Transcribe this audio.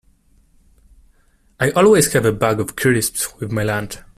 I always have a bag of crisps with my lunch